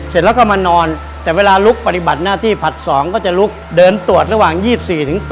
เสร็จแล้วก็มานอนแต่เวลาลุกปฏิบัติหน้าที่ผลัด๒ก็จะลุกเดินตรวจระหว่าง๒๔ถึง๒